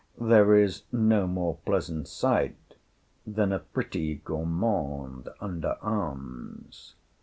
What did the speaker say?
There is no more pleasant sight than a pretty gourmande under arms.